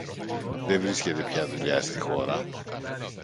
Δε βρίσκεται πια δουλειά στη χώρα.